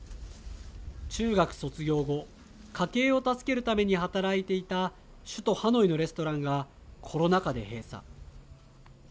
中学卒業後家計を助けるために働いていた首都ハノイのレストランがコロナ禍で閉鎖。